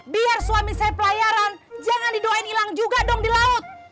biar suami saya pelayaran jangan didoain hilang juga dong di laut